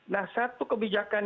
nah satu kebijakan